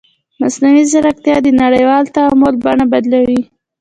مصنوعي ځیرکتیا د نړیوال تعامل بڼه بدلوي.